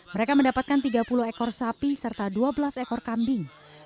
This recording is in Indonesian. mereka mendapatkan tiga puluh ekor sapi serta dua belas ekor kambing